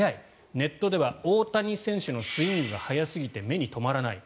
ネットでは大谷選手のスイングが速すぎて目に留まらない。